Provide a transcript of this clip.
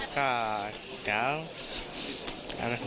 ก็เดี๋ยว